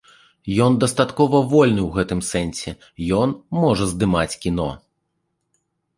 Ён дастаткова вольны ў гэтым сэнсе, ён можа здымаць кіно.